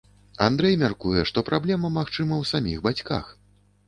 Андрэй мяркуе, што праблема, магчыма, у саміх бацьках.